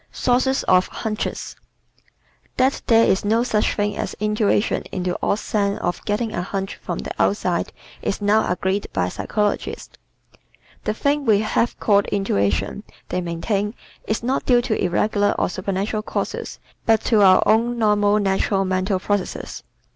Source of "Hunches" ¶ That there is no such thing as intuition in the old sense of getting a "hunch" from the outside is now agreed by psychologists. The thing we have called intuition, they maintain, is not due to irregular or supernatural causes but to our own normal natural mental processes.